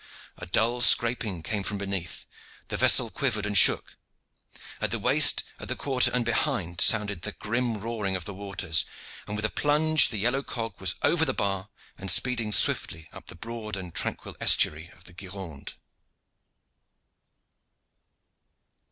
A dull scraping came from beneath, the vessel quivered and shook, at the waist, at the quarter, and behind sounded that grim roaring of the waters, and with a plunge the yellow cog was over the bar and speeding swiftly up the broad and tranquil estuary of the Gironde.